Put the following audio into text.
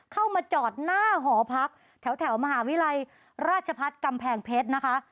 เข้ามาจอดหน้าหอพักแถวมหาวิทยาลัยราชพัฒน์กำแพงเพชรนะคะ